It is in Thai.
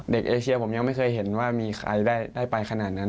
เอเชียผมยังไม่เคยเห็นว่ามีใครได้ไปขนาดนั้น